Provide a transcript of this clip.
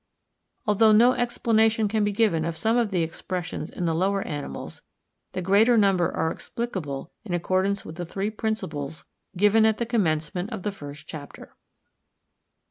Although no explanation can be given of some of the expressions in the lower animals, the greater number are explicable in accordance with the three principles given at the commencement of the first chapter.